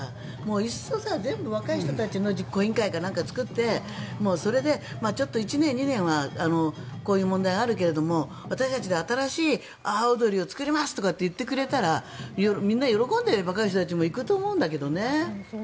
いっそ全部若い人たちの実行委員会か何か作って１年、２年はこういう問題があるけど私たちで、新しい阿波おどりを作りますとかって言ってくれたらみんな喜んで行く人たちもいると思うんだけどね。